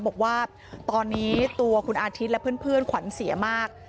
บอกว่าตอนนี้ตัวคุณอาทิตย์และเพื่อนขวัญเสียมาก